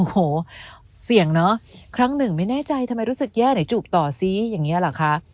โอ้โหเสี่ยงเนอะครั้งหนึ่งไม่แน่ใจทำไมรู้สึกแย่ไหนจูบต่อซิอย่างนี้เหรอคะ